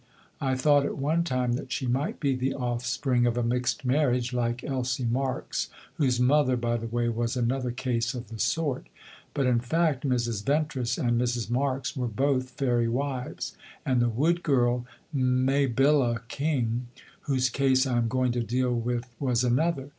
I thought at one time that she might be the offspring of a mixed marriage, like Elsie Marks (whose mother, by the way, was another case of the sort); but in fact Mrs. Ventris and Mrs. Marks were both fairy wives, and the wood girl, Mabilla King, whose case I am going to deal with was another.